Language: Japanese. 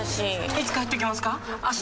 いつ帰ってきますか？